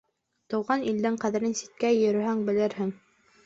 Тыуған илдең ҡәҙерен ситтә йөрөһәң белерһең.